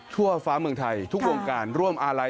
ทั่วฟ้าเมืองไทยทุกวงการร่วมอาลัย